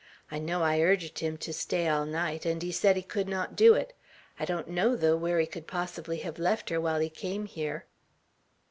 I know I urged him to stay all night, and he said he could not do it. I don't know, though, where he could possibly have left her while he came here."